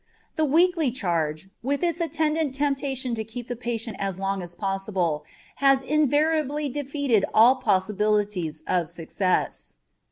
The weekly charge, with its attendant temptation to keep the patient as long as possible, has invariably defeated all possibilities of success.